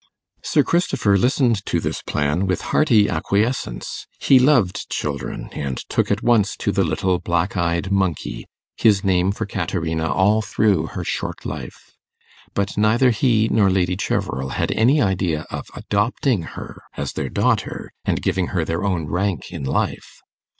Sir Christopher listened to this plan with hearty acquiescence. He loved children, and took at once to the little black eyed monkey his name for Caterina all through her short life. But neither he nor Lady Cheverel had any idea of adopting her as their daughter, and giving her their own rank in life.